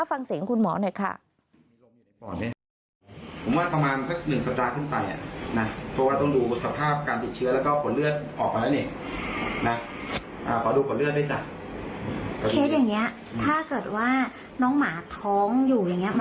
ฟังเสียงคุณหมอหน่อยค่ะ